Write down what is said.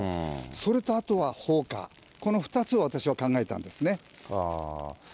それとあとは放火、この２つを私は考えたんですね。